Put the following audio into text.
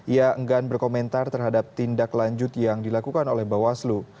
ia enggan berkomentar terhadap tindak lanjut yang dilakukan oleh bawaslu